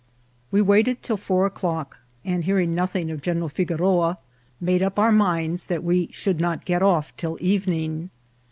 We waited till four o'clock, and hearing nothing of General Figoroa, made up our minds that we should not get off till evening.